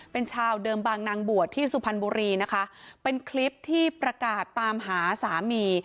เป็นชาวเดิมบางนางบวชที่สุพรรณบุรีนะคะเป็นคลิปที่ประกาศตามหาสามี